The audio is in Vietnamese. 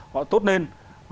họ tốt lên